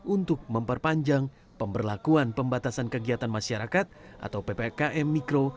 untuk memperpanjang pemberlakuan pembatasan kegiatan masyarakat atau ppkm mikro